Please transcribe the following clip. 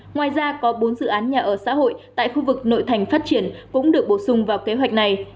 ngoài ra có bốn dự án nhà ở xã hội tại khu vực nội thành phát triển cũng được bổ sung vào kế hoạch này